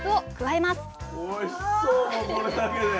おいしそうもうこれだけで。